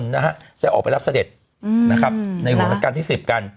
จะออกไปรับเสด็จในหลวงรัฐการณ์ที่๑๐กัน